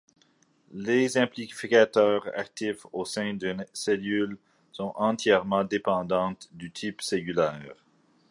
Les amplificateurs actifs au sein d'une cellule sont entièrement dépendants du type cellulaire.